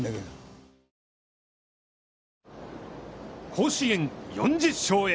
甲子園４０勝へ。